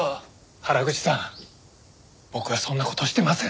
原口さん僕はそんな事してません。